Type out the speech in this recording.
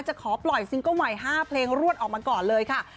จะขอปล่อยซิงเกิ้ลใหม่๕เพลงรวดออกมาก่อนเลยค่ะ